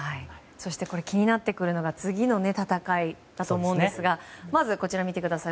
そして気になってくるのが次の戦いだと思いますがまずこちらを見てください。